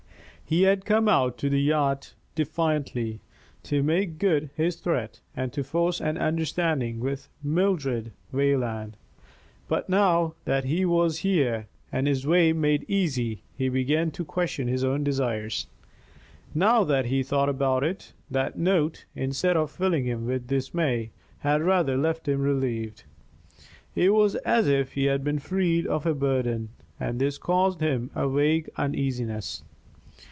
He had come out to the yacht defiantly, to make good his threat, and to force an understanding with Mildred Wayland, but now that he was here and his way made easy he began to question his own desires. Now that he thought about it, that note, instead of filling him with dismay, had rather left him relieved. It was as if he had been freed of a burden, and this caused him a vague uneasiness.